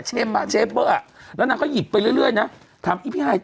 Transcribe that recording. เชฟอ่ะเชฟเบอะอ่ะแล้วนางก็หยิบไปเรื่อยเรื่อยน่ะถามอีพี่หาย